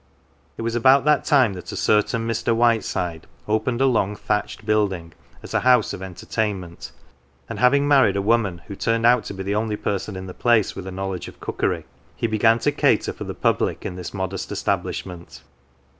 It was about that time that a certain Mr. Whiteside opened a long thatched building as a house of enter tainment, and having married a woman who turned out to be the only person in the place with a knowledge of cookery, he began to cater for the public in this modest establishment.